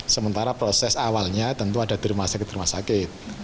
karena proses awalnya tentu ada di rumah sakit rumah sakit